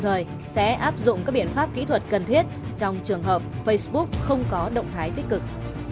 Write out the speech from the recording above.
đồng thời sẽ áp dụng các biện pháp kỹ thuật cần thiết trong trường hợp facebook không có động thái tích cực